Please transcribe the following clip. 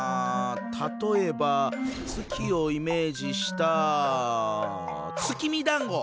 例えば月をイメージした月見だんご！